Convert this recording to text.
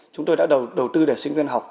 chúng tôi đã đầu tư để sinh viên học